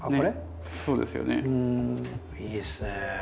いいっすね。